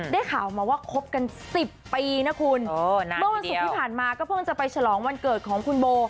ข่าวมาว่าคบกัน๑๐ปีนะคุณเมื่อวันศุกร์ที่ผ่านมาก็เพิ่งจะไปฉลองวันเกิดของคุณโบ